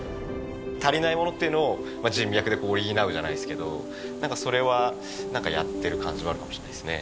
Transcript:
足りないものっていうのを人脈で補うじゃないですけど何かそれはやってる感じはあるかもしれないですね